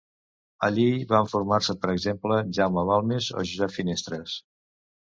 Allí van formar-se, per exemple, Jaume Balmes o Josep Finestres.